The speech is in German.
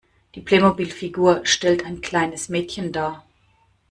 Die Playmobilfigur stellt ein kleines Mädchen dar.